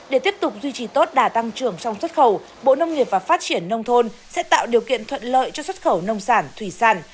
để tiếp tục duy trì tốt đà tăng trưởng trong xuất khẩu bộ nông nghiệp và phát triển nông thôn sẽ tạo điều kiện thuận lợi cho xuất khẩu nông sản thủy sản